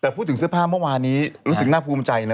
แต่พูดถึงเสื้อผ้าเมื่อวานนี้รู้สึกน่าภูมิใจนะ